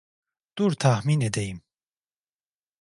Dur tahmin edeyim.